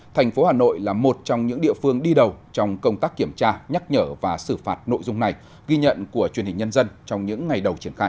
thành phố hà nội là một trong những địa phương đi đầu trong công tác kiểm tra nhắc nhở và xử phạt nội dung này ghi nhận của truyền hình nhân dân trong những ngày đầu triển khai